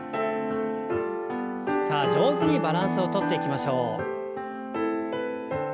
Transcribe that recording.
さあ上手にバランスをとっていきましょう。